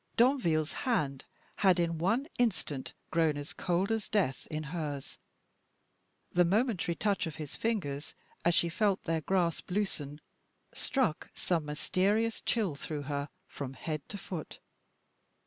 Danville's hand had in one instant grown cold as death in hers; the momentary touch of his fingers, as she felt their grasp loosen, struck some mysterious chill through her from head to foot.